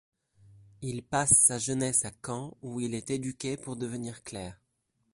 Il passe sa jeunesse à Caen où il est éduqué pour devenir clerc.